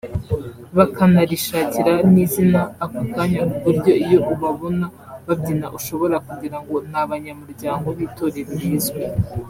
bakanarishakira n’izina ako kanya ku buryo iyo ubabona babyina ushobora kugira ngo ni abanyamuryango b’itorero rizwi